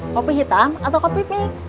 kopi hitam atau kopi mix